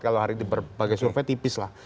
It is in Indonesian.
kalau hari ini berbagai survei tipis lah